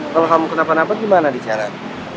kalau kamu kena panah panah apa gimana di jalan